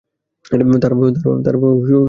তারা খুব সুন্দর।